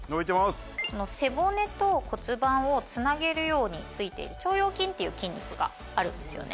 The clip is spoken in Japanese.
「背骨と骨盤をつなげるように付いている腸腰筋っていう筋肉があるんですよね」